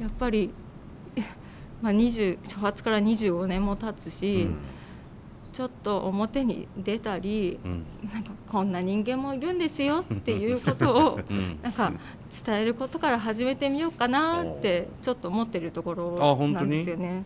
やっぱり初発から２５年もたつしちょっと表に出たりこんな人間もいるんですよっていうことを伝えることから始めてみようかなってちょっと思っているところなんですよね。